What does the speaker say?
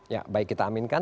ya baik kita aminkan